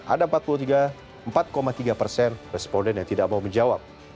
ada empat puluh tiga empat tiga persen responden yang tidak mau menjawab